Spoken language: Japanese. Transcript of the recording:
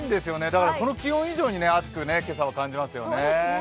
だからこの気温以上に暑く、今朝は感じますよね。